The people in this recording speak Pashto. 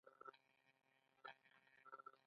آیا د پښتنو په کلتور کې د مالدارۍ کسب د پیغمبرانو نه دی؟